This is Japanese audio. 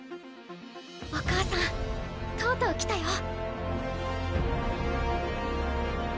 お母さんとうとう来たよ。